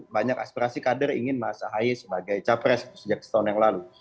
banyak aspirasi kader ingin mas ahaye sebagai capres sejak setahun yang lalu